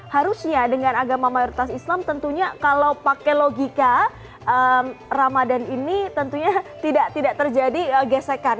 harusnya dengan agama mayoritas islam tentunya kalau pakai logika ramadan ini tentunya tidak terjadi gesekan